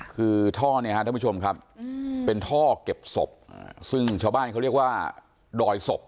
คือท่อเนี่ยฮะท่านผู้ชมครับเป็นท่อเก็บศพซึ่งชาวบ้านเขาเรียกว่าดอยศพ